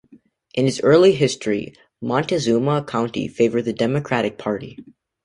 In its early history Montezuma County favoured the Democratic Party.